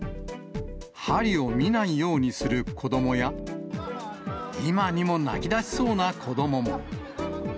針を見ないようにする子どもや、今にも泣きだしそうな子どもも。